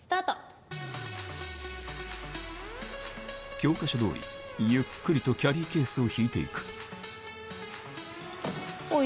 教科書どおりゆっくりとキャリーケースを引いていくほい！